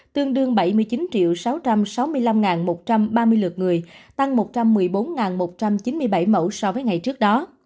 tương đương bảy mươi chín sáu trăm sáu mươi năm một trăm ba mươi lượt người tăng một trăm một mươi bốn một trăm chín mươi bảy mẫu so với ngày trước đó